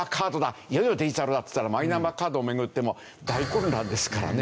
いよいよデジタルだっつったらマイナンバーカードを巡っても大混乱ですからね。